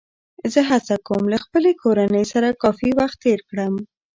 زه هڅه کوم له خپلې کورنۍ سره کافي وخت تېر کړم